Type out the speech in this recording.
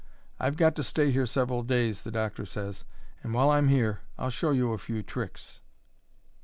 I've got to stay here several days, the doctor says; and while I'm here I'll show you a few tricks."